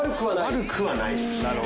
悪くはないですね。